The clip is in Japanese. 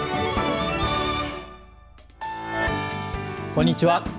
こんにちは。